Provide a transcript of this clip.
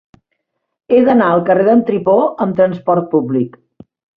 He d'anar al carrer d'en Tripó amb trasport públic.